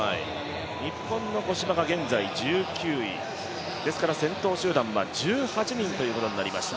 日本の五島が現在１９位、先頭集団は１８人ということになりました。